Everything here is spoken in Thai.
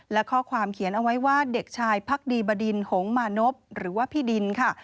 และข้อความเขียนเอาไว้ว่าเด็กชายพักดีบดินหงมานพหรือว่าพี่ดินค่ะ